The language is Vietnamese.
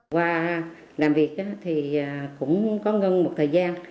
qua làm việc thì cũng có ngân một thời gian